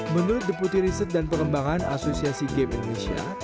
menurut deputi riset dan pengembangan asosiasi game indonesia